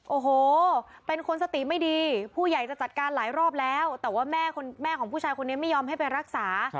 โอ้โหเป็นคนสติไม่ดีผู้ใหญ่จะจัดการหลายรอบแล้วแต่ว่าแม่ของผู้ชายคนนี้ไม่ยอมให้ไปรักษา